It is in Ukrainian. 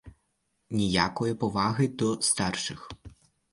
Ніякої поваги до старших.